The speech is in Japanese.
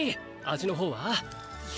味の方は。